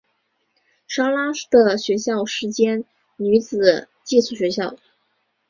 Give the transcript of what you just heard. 莎拉的学校是间女子寄宿学校。